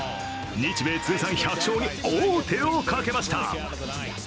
日米通算１００勝に王手をかけました。